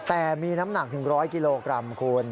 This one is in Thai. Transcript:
แต่มีน้ำหนักถึง๑๐๐กิโลกรัมคุณ